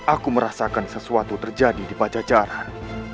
aku merasakan sesuatu terjadi di pajajaran